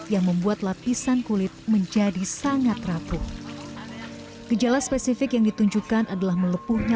yang membuat lapisan kulit menjadi sangat rapuh gejala spesifik yang ditunjukkan adalah melepuhnya